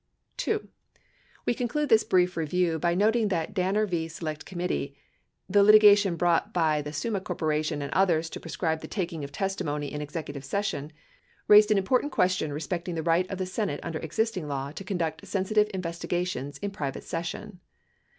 2. We conclude this brief review by noting that Danner v. Select Committee , the litigation brought by the Summa Corporation and others to proscribe the taking of testimony in executive session, raised an important question respecting the right of the Senate under existing law to conduct sensitive investigations in private session.